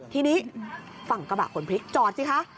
ทีนี้ฝั่งกระบะคนพลิกจอดสิคะ